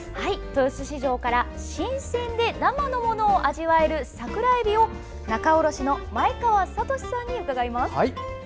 豊洲市場から新鮮で生のものを味わえる桜えびを仲卸の前川哲史さんに伺います。